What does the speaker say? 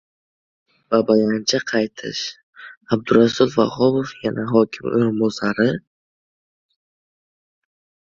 «Babayancha qaytish»: Abdurasul Vahobov yana hokim o‘rinbosari?!